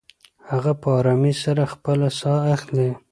هغه په ارامۍ سره خپله ساه اخلې.